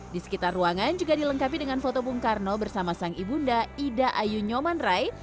di sekitar ruangan juga dilengkapi dengan foto bung karno bersama sang ibunda ida ayu nyoman rai